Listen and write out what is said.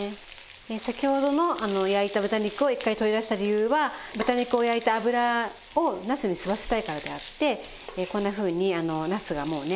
先ほどの焼いた豚肉を一回取り出した理由は豚肉を焼いた脂をなすに吸わせたいからであってこんなふうになすがもうね